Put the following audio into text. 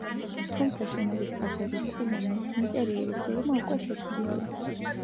თუმცა შენობის აგების დღიდან მისი ინტერიერის გეგმა უკვე შეცვლილია.